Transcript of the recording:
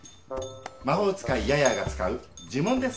魔法使いヤヤーが使う呪文です。